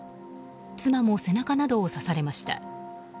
妻も背中などを刺されました。